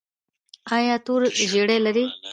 ایا تور زیړی لرئ؟